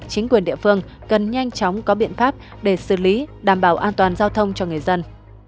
chính quyền địa phương cần nhanh chóng có biện pháp để xử lý đảm bảo an toàn giao thông cho người dân